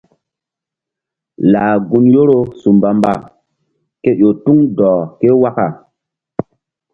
Lah gun Yoro su mbamba ke ƴo tuŋ dɔh ke waka.